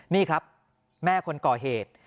นี่ครับแม่คนก่อเหตุ